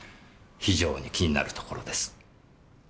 非常に気になるところです。